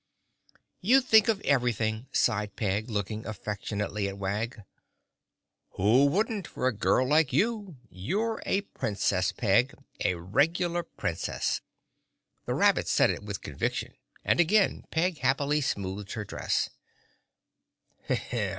"You think of everything," sighed Peg, looking affectionately at Wag. "Who wouldn't for a girl like you? You're a Princess, Peg—a regular Princess." The rabbit said it with conviction and again Peg happily smoothed her dress.